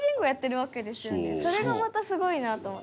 それがまたすごいなと。